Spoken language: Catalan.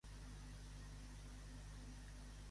Per què les paraules d'aquest tranquil·litzaren el company?